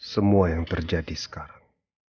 semua yang terjadi sekarang